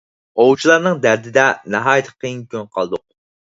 ئوۋچىلارنىڭ دەردىدە ناھايىتى قىيىن كۈنگە قالدۇق.